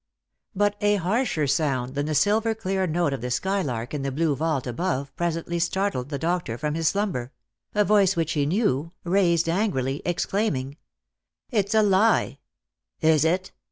But a harsher sound than the silver clear note of the skylark in the blue vault above presently startled the doctor from his slumber — a voice which he knew, raised angrily, exclaiming, — "It's a lie!" " Is it